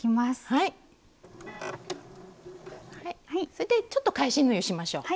それでちょっと返し縫いをしましょう。